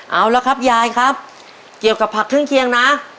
เอาละครับยายครับเกี่ยวกับผักเครื่องเคียงนะ